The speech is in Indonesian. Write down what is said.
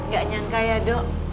gak nyangka ya dok